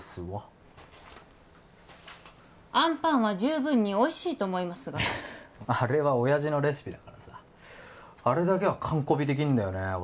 わあんぱんは十分においしいと思いますがあれは親父のレシピだからさあれだけは完コピできんだよね